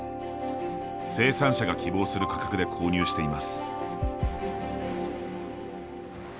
生産者が希望する価格で購入しています。